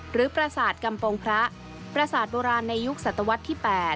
ประสาทกำปงพระประสาทโบราณในยุคศตวรรษที่๘